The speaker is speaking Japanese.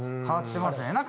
変わってますね。